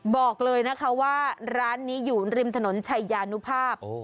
บอกเลยนะคะว่าร้านนี้อยู่ริมถนนชัยยานุภาพ